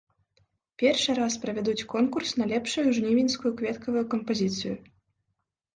Першы раз правядуць конкурс на лепшую жнівеньскую кветкавую кампазіцыю.